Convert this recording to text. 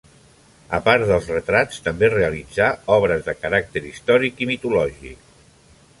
A part dels retrats també realitzà obres de caràcter històric i mitològic.